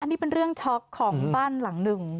นี่เป็นเรื่องช็อกของบ้านหลังหนึ่ง